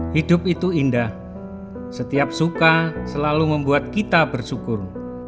hidup itu indah setiap suka selalu membuat kita bersyukur